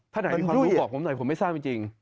ถ้าในดูของผมไม่ทราบจริง